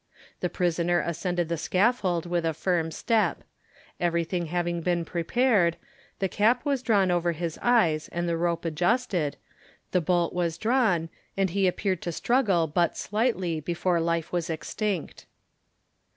The prisoner ascended the scaffold with a firm step. Everything having been prepared, the cap was drawn over his eyes and the rope adjusted, the bolt was drawn, and he appeared to struggle but slightly before life was extinct.